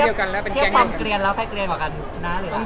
เป็นกันแล้วเป็นแกงเดียวกัน